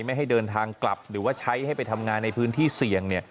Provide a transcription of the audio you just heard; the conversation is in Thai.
ไม่ให้เดินทางกลับหรือว่าใช้ให้ไปทำงานในพื้นที่เสี่ยง